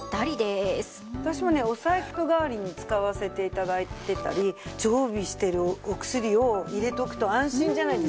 私もねお財布代わりに使わせて頂いてたり常備してるお薬を入れておくと安心じゃないですか。